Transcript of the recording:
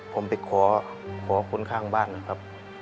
ผมไปขอคนข้างบ้านนะครับ